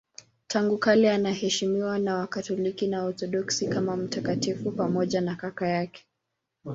Tangu kale anaheshimiwa na Wakatoliki na Waorthodoksi kama mtakatifu pamoja na kaka yake.